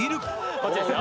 こっちですよ。